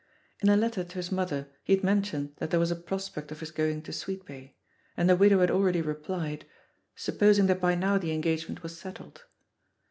In a letter to his • mother he had mentioned that there was a pros pect of his going to Sweetbay, and the widow: had already replied, "supposing that by now the engagement was settled.'